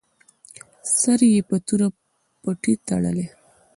سر یې په توره پټۍ تړلی.